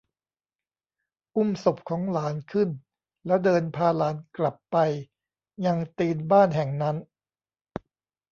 อุ้มศพของหลานขึ้นแล้วเดินพาหลานกลับไปยังตีนบ้านแห่งนั้น